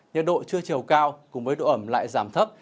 nhiệt độ trưa chiều cao cùng với độ ẩm lại giảm thấp